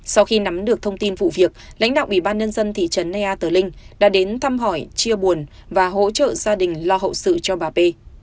sau khi nắm được thông tin vụ việc lãnh đạo ủy ban nhân dân thị trấn ea tờ linh đã đến thăm hỏi chia buồn và hỗ trợ gia đình lo hậu sự cho bà p